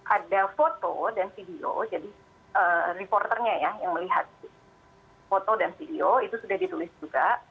ada foto dan video jadi reporternya ya yang melihat foto dan video itu sudah ditulis juga